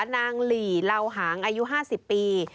หลีเหล่าหางอายุ๕๐ปี